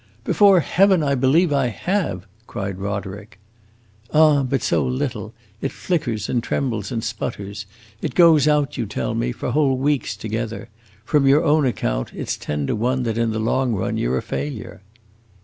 "Before heaven, I believe I have!" cried Roderick. "Ah, but so little! It flickers and trembles and sputters; it goes out, you tell me, for whole weeks together. From your own account, it 's ten to one that in the long run you 're a failure."